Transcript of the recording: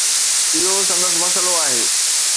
اهو سندس مسئلو آهي.